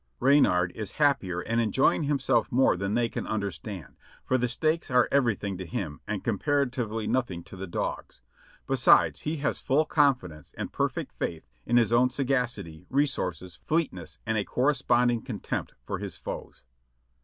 Reynard is happier and enjoying himself more than they can understand, for the stakes are everything to him and comparatively nothing to the dogs, besides he has full confidence and perfect faith in his own sagacity, resources, fleet ness, and a corresponding contempt for his foes.